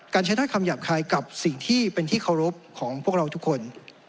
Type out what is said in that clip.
ใช้ถ้อยคำหยาบคายกับสิ่งที่เป็นที่เคารพของพวกเราทุกคน